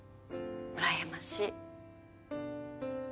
うらやましい。